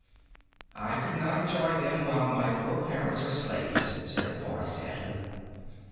"I could not enjoy them while my poor parents are slaves," said the boy, sadly.